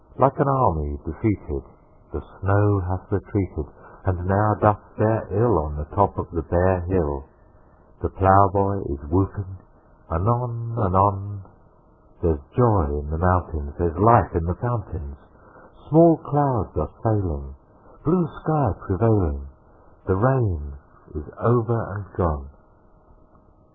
Like an army defeated The snow hath retreated, And now doth fare ill On the top of the bare hill; The plowboy is whooping anon anon: There's joy in the mountains; There's life in the fountains; Small clouds are sailing, Blue sky prevailing; The rain is over and gone!